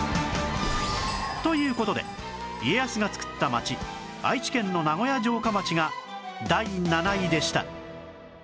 という事で家康が作った町愛知県の名古屋城下町が第７位でした